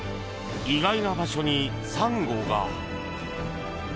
意外な場所にサンゴが！